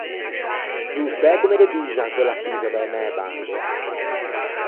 Ti ô sæ comme ghe dixan à quella figgia da-e mæ bande?